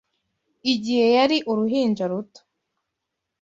Igihe yari uruhinja ruto